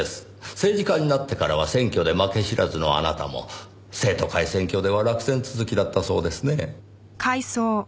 政治家になってからは選挙で負け知らずのあなたも生徒会選挙では落選続きだったそうですね？